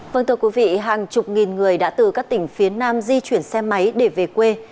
vâng thưa quý vị hàng chục nghìn người đã từ các tỉnh phía nam di chuyển xe máy để về quê